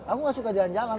aku gak suka jalan jalan